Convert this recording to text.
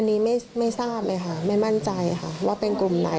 อันนี้ไม่ทราบไหมค่ะไม่มั่นใจว่าเป็นกลุ่มใด